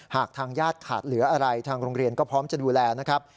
หากทางญาติขาดเหลืออะไรทางโรงเรียนก็พร้อมจะดูแลนะครับ